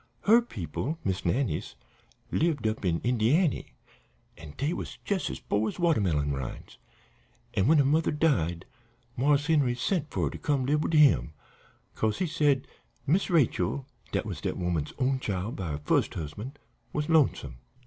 Her people Miss Nannie's lived up in Indiany, an' dey was jes' 's po' as watermelon rinds, and when her mother died Marse Henry sent for her to come live wid him, 'cause he said Miss Rachel dat was dat woman's own chile by her fust husband was lonesome.